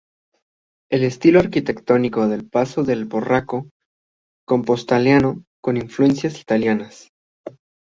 El estilo arquitectónico del Pazo es el barroco compostelano con influencias italianas.